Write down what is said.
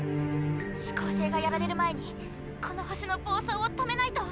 四煌星がやられる前にこの星の暴走を止めないと。